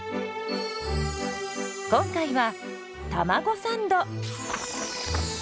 今回はたまごサンド。